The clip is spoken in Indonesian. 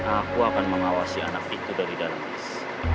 aku akan mengawasi anak itu dari dalam bis